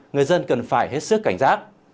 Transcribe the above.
người dân cần phải hết sức cảnh giác